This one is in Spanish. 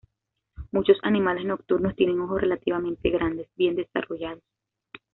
Muchos animales nocturnos tienen ojos relativamente grandes, bien desarrollados.